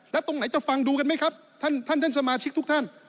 แล้วตรงไหนจะฟังดูกันไหมครับท่านท่านสมาชิกทุกท่าน